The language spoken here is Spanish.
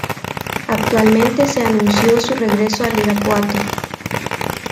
Actualmente se anunció su regreso al Irapuato.